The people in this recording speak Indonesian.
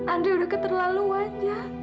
andre udah keterlaluan ja